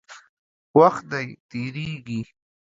وخت دی، تېرېږي.